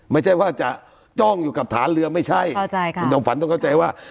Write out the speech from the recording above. ไม่ใช่ว่าจะจ้องอยู่กับฐานเรือไม่ใช่เข้าใจค่ะคุณจอมฝันต้องเข้าใจว่า